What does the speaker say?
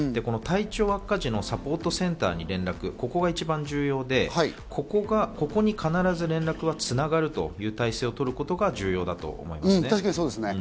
体調悪化時のサポートセンターに連絡、ここが一番重要で、ここに必ず連絡がつながるという体制をとることが重要だと思います。